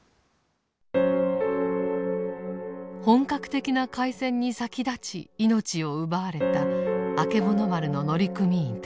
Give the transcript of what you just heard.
本格的な海戦に先立ち命を奪われたあけぼの丸の乗組員たち。